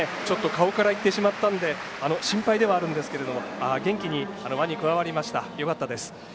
顔からいってしまったので心配ではあるんですけど元気に輪に加わりました、よかったです。